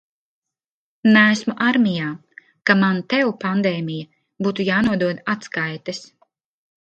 Neesmu armijā, ka man tev, pandēmija, būtu jānodod atskaites.